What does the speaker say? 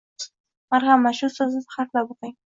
Marhamat, bu so’zni harflab o'qing.